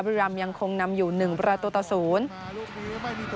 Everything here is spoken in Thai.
บริรามยังคงนำอยู่๑ประตูตะสูง